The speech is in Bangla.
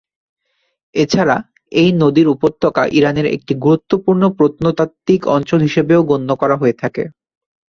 এছাড়া এই নদীর উপত্যকা ইরানের একটি গুরুত্বপূর্ণ প্রত্নতাত্ত্বিক অঞ্চল হিসেবেও গণ্য করা হয়ে থাকে।